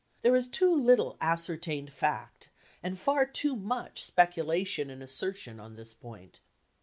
There is too little ascertained fact and far too much speculation and assertion on this point.